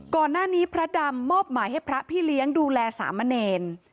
ก่อนหน้านี้พระดำมอบหมายให้พระพี่เลี้ยงดูแลสามเณร